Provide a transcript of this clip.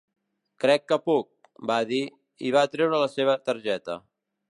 "Crec que puc," va dir, i va treure la seva targeta.